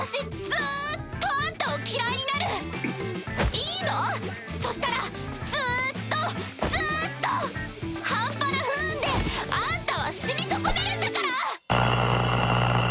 いいの⁉そしたらずっとずっと半端な不運であんたは死に損ねるんだから！